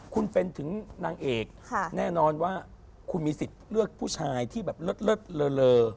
คุณเป็นถึงนางเอกแน่นอนว่าคุณมีสิทธิ์เลือกผู้ชายที่แบบเลิศเลอ